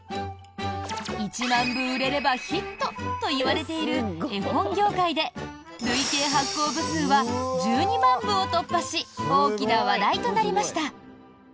１万部売れればヒットといわれている絵本業界で累計発行部数は１２万部を突破し大きな話題となりました。